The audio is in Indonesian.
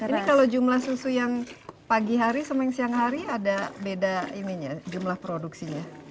ini kalau jumlah susu yang pagi hari sama yang siang hari ada beda jumlah produksinya